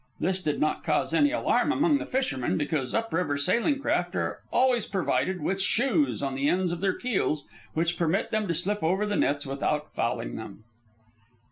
This did not cause any alarm among the fishermen, because up river sailing craft are always provided with "shoes" on the ends of their keels, which permit them to slip over the nets without fouling them.